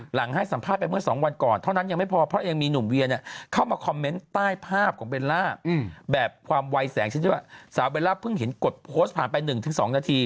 หลังให้สัมภาษณ์ไปเมื่อ๒วันก่อนเท่านั้นยังไม่พอเพราะยังมีหนุ่มเวียเข้ามาคอมเมนต์ใต้ภาพของเบลล่าแบบความวัยแสงชิ้นที่ว่าสาวเบลล่าเพิ่งเห็นกดโพสต์ผ่านไป๑๒นาที